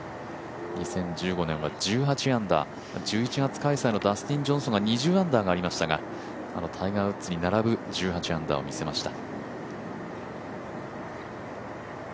２０１５年は１８アンダー、１１月開催のジャスティンが２０アンダーがありましたがあのタイガー・ウッズに並ぶ１８アンダーを見せました。